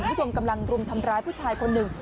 กำลังรุมทำร้ายผู้ชายคนหนึ่ง